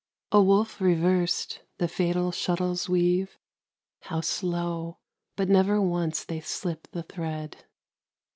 A woof reversed the fatal shuttles weave, How slow! but never once they slip the thread.